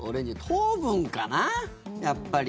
糖分かな、やっぱり。